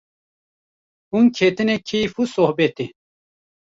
Hûn ketine keyf û sohbetê